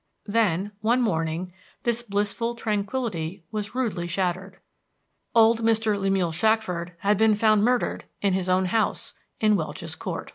Then, one morning, this blissful tranquility was rudely shattered. Old Mr. Lemuel Shackford had been found murdered in his own house in Welch's Court.